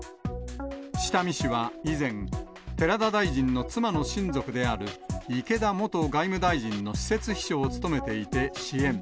下見氏は以前、寺田大臣の妻の親族である、池田元外務大臣の私設秘書を務めていて支援。